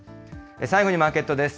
最後にマーケットです。